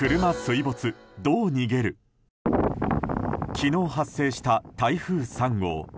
昨日発生した台風３号。